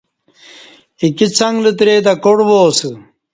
ایکی څݣ لتری تہ کاٹ وا اسہ